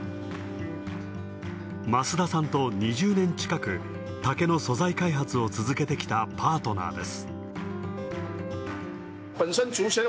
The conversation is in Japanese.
増田さんと２０年近く、竹の素材開発を続けてきたパートナーです